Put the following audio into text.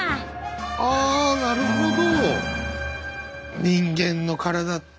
あなるほど！